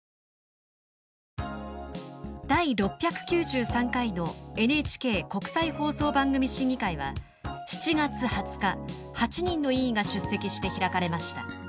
第６９３回のＮＨＫ国際放送番組審議会は７月２０日８人の委員が出席して開かれました。